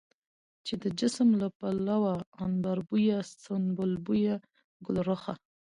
چې د جسم له پلوه عنبربويه، سنبل مويه، ګلرخه،